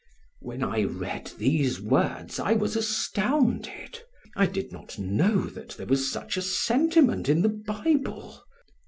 When I read these words I was astounded; I did not know that there was such a sentiment in the Bible.